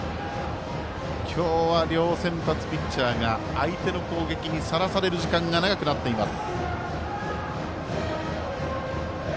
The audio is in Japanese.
今日は両先発ピッチャーが相手の攻撃にさらされる時間が長くなっています。